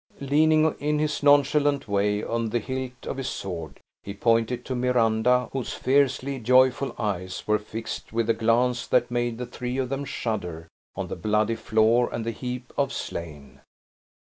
Leaning, in his nonchalant way, on the hilt of his sword, he pointed to Miranda, whose fiercely joyful eyes were fixed with a glance that made the three of them shudder, on the bloody floor and the heap of slain.